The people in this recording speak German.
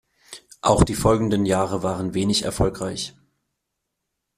Auch die folgenden Jahre waren wenig erfolgreich.